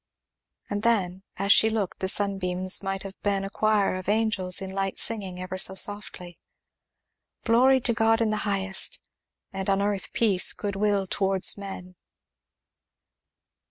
And then as she looked, the sunbeams might have been a choir of angels in light singing, ever so softly, "Glory to God in the highest, and on earth peace, good will towards men."